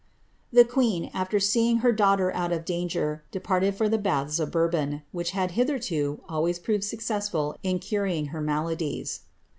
'' The queen, after seeing her (laughter out of danger, departed for the baths of Bourbon, which had hitherto always proved successful in curing her maladies.